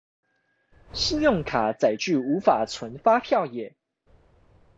信用卡載具無法存發票耶